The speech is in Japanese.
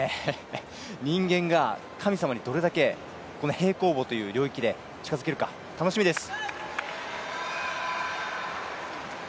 人間が神様にどれだけ平行棒という領域で近づけるか、楽しみです。